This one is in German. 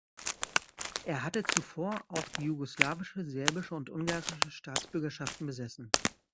Er hatte zuvor auch die jugoslawische, serbische und ungarische Staatsbürgerschaften besessen.